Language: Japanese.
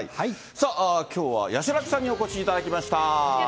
さあ、今日は八代亜紀さんにお越しいただきました。